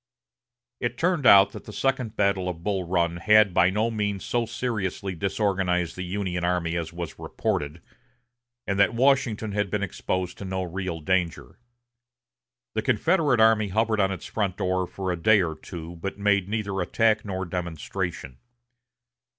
It turned out that the second battle of Bull Run had by no means so seriously disorganized the Union army as was reported, and that Washington had been exposed to no real danger. The Confederate army hovered on its front for a day or two, but made neither attack nor demonstration.